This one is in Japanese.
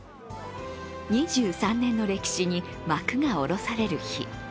２３年の歴史に幕が下ろされる日。